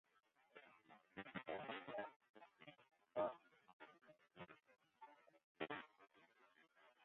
Hja fertelt dat sûnt koart har jongere suske by har wennet.